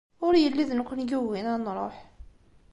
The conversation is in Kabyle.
Ur yelli d nukkni i yugin ad nṛuḥ.